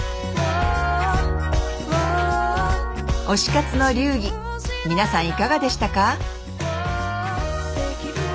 推し活の流儀皆さんいかがでしたか？